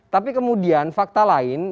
tapi kemudian fakta lain